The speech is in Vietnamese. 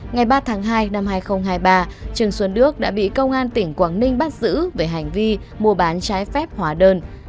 ngày ba tháng hai năm hai nghìn hai mươi ba trần xuân đức đã bị công an tỉnh quảng ninh bắt giữ về hành vi mua bán trái phép hóa đơn